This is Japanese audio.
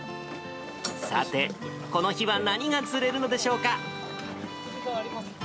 さて、この日は何が釣れるのでしょうか。